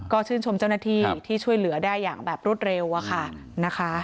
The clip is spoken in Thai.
ก็ชื่นชมเจ้าหน้าที่ที่ช่วยเหลือได้อย่างแบบรวดเร็วอะค่ะนะคะ